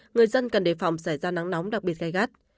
người dân cần đề phòng xảy ra nắng nóng đặc biệt gai gắt